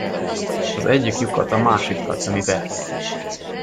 Az egyik lyukat a másikkal tömi be.